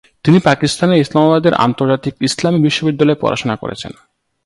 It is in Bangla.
তিনি পাকিস্তানের ইসলামাবাদের আন্তর্জাতিক ইসলামী বিশ্ববিদ্যালয়ে পড়াশোনা করেছেন।